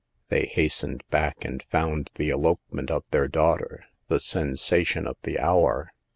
They hastened back and found the elopement of their daughter the sensation of the hour.